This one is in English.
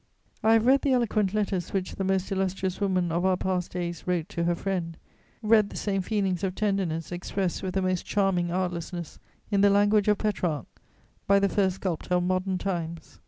I have read the eloquent letters which the most illustrious woman of our past days wrote to her friend; read the same feelings of tenderness, expressed with the most charming artlessness, in the language of Petrarch, by the first sculptor of modern times.